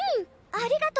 ありがと。